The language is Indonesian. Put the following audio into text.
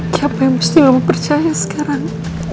siapa yang mesti kamu percaya sekarang